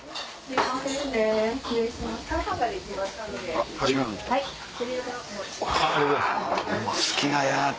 あぁ好きなやつ。